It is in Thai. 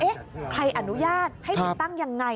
เอ๊ะใครอนุญาตให้ติดตั้งอย่างไร